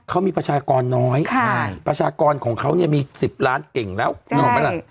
เขามีประชากรน้อยค่ะประชากรของเขาเนี้ยมีสิบล้านเก่งแล้วใช่